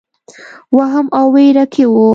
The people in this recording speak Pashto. وهم او وېره کې وو.